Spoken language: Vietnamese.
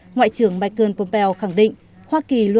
ngoại trưởng michael pompeo khẳng định